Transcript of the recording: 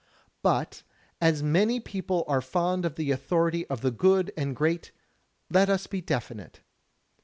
" But, as many people are fond of the authority of the good and great, let us be definite.